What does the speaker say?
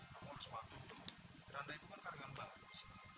kamu harus maafin dong miranda itu kan karyawan baru sih